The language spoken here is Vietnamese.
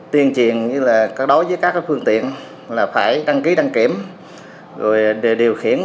tuyên truyền đối với các phương tiện là phải đăng ký đăng kiểm để điều khiển